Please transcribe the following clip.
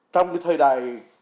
trong cái thời đại